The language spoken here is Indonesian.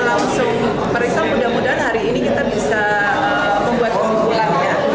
nah langsung periksa mudah mudahan hari ini kita bisa membuat kesimpulannya